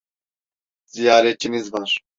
Ziyaretçiniz var.